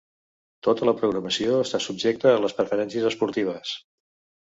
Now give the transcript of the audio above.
Tota la programació està subjecta a les preferències esportives.